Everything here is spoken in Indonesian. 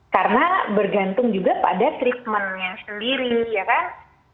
karena bergantung juga pada treatment nya sendiri ya kan